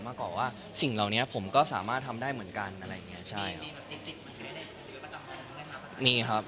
เมื่อก่อนว่าสิ่งเหล่านี้ผมก็สามารถทำได้เหมือนกันอะไรอย่างเงี้ยใช่